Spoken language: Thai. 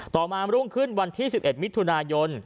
มารุ่งขึ้นวันที่๑๑มิถุนายน